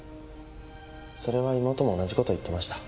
それは妹も同じ事言ってました。